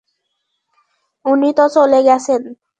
উনি তো চলে গেছেন।